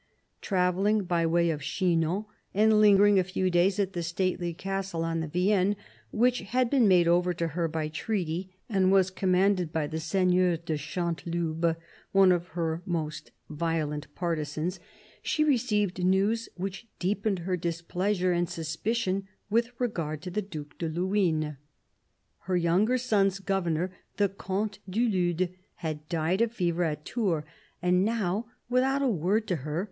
Travelling by way of Chinon, and lingering a few days at the stately castle on the Vienne, which had been made over to her by treaty, and was commanded by the Seigneur de Chanteloube, one of her most violent partisans, she received news which deepened her displeasure and suspicion with regard to the Due de Luynes. Her younger son's governor, the Comte du Lude, had died of fever at Tours, and now, without a word to her.